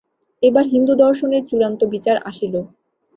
এইবার হিন্দুদর্শনের চূড়ান্ত বিচার আসিল।